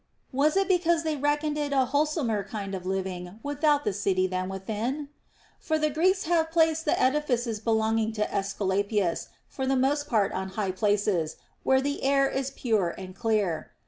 Was it because they reckoned it a wholesomer kind of living without the city than within \ For the Greeks have placed the edifices belonging to Aesculapius for the most part on high places, where the air is pure and clear.